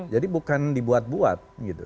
jadi bukan dibuat buat gitu